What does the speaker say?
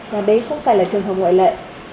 và đấy không phải là trường hợp ngoại lệ